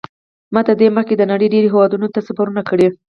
ما تر دې مخکې د نړۍ ډېرو هېوادونو ته سفرونه کړي.